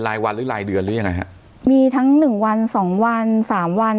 รายวันหรือรายเดือนหรือยังไงฮะมีทั้งหนึ่งวันสองวันสามวัน